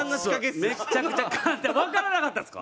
わからなかったですか？